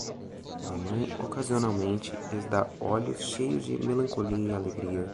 Mamãe ocasionalmente lhes dá olhos cheios de melancolia e alegria.